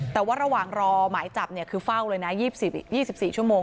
แต่ว่าระหว่างรอหมายจับเนี่ยคือเฝ้าเลยน่ะยี่สิบยี่สิบสี่ชั่วโมง